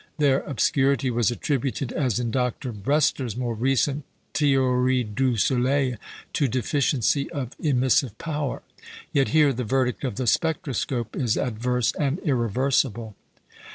Their obscurity was attributed, as in Dr. Brester's more recent Théorie du Soleil, to deficiency of emissive power. Yet here the verdict of the spectroscope is adverse and irreversible.